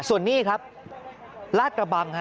ส่วนนี้ครับลาดกระบังฮะ